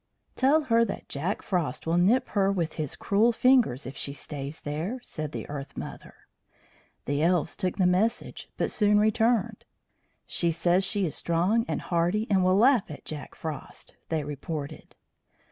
"Tell her that Jack Frost will nip her with his cruel fingers if she stays there," said the Earth mother. The elves took the message, but soon returned. "She says she is strong and hardy, and will laugh at Jack Frost," they reported.